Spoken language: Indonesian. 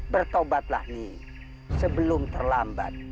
bertobatlah nih sebelum terlambat